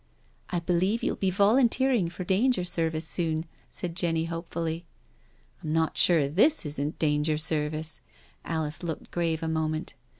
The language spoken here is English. " I believe you'll be volunteering for danger service soon," said Jenny hopefully. " I'm not sure tfus isn't danger service. ..." Alice looked grave a moment.